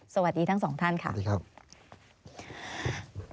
สวัสดีทั้งสองท่านค่ะสวัสดีครับ